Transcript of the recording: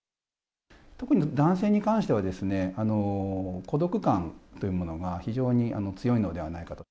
特に男性に関しては、孤独感というものが非常に強いのではないかと。